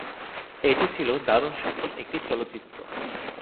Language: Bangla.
এটি ছিল দারুণ সফল একটি চলচ্চিত্র।